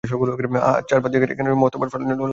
হাত চার বাদ দিয়ে, একখানা মস্ত কাঠ ফাতনার জন্য লাগানো হল।